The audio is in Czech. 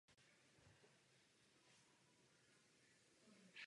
Vyrůstal v Texasu a později přesídlil do Kalifornie.